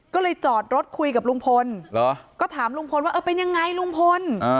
ก็เลยจอดรถคุยกับลุงพลก็ถามลุงพลว่าเออเป็นยังไงลุงพล